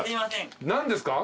何ですか？